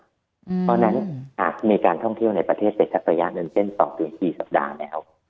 เพราะฉะนั้นถ้ามีการท่องเที่ยวในประเทศเศษภัยหนึ่งเจน๒๔สัปดาห์แล้ว